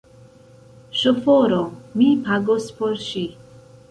Ŝoforo! Mi pagos por ŝi